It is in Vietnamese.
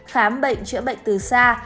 khám bệnh chữa bệnh từ xa